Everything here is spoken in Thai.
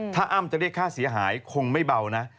ถ้าอ้ำจะเรียกค่าเสียหายคงไม่เบานะ